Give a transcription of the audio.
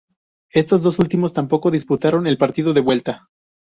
Estos dos últimos tampoco disputaron el partido de vuelta.